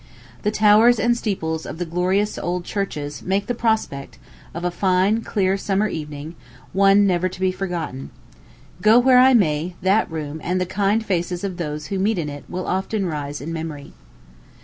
The towers and steeples of the glorious old churches make the prospect, of a fine, clear summer evening, one never to be forgotten. Go where I may, that room, and the kind faces of those who meet in it will often rise in memory.